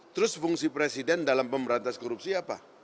terus fungsi presiden dalam pemberantas korupsi apa